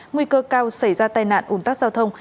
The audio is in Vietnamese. nguy cơ cao xảy ra tai nạn ủn tắc giao thông